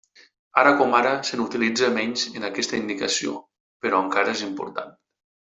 Ara com ara, se n'utilitza menys en aquesta indicació, però encara és important.